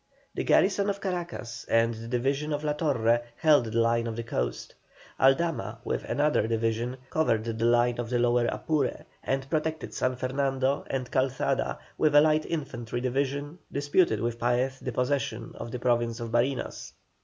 The garrison of Caracas and the division of La Torre held the line of the coast. Aldama, with another division, covered the line of the Lower Apure and protected San Fernando, and Calzada, with a light cavalry division, disputed with Paez the possession of the Province of Barinas.